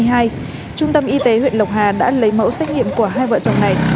trung tâm y tế huyện lộc hà đã lấy mẫu xét nghiệm của hai vợ chồng này